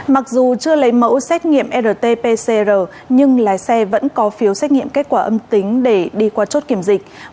mặc dù chưa lấy mẫu xét nghiệm rt pcr nhưng lái xe vẫn có phiếu xét nghiệm kết quả âm tính để đi qua chốt kiểm dịch